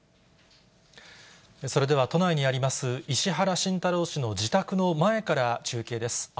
それでは都内にあります、石原慎太郎氏の自宅の前から中継です。